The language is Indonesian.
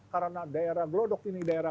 karena daerah gelodok ini daerah